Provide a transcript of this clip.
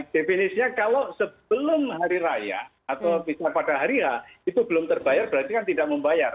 definisinya kalau sebelum hari raya atau bisa pada hari ya itu belum terbayar berarti kan tidak membayar